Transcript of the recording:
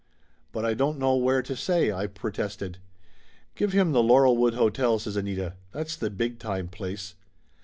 "But I don't know where to say," I protested. "Give him the Laurelwood Hotel," says Anita. "That's the big time place."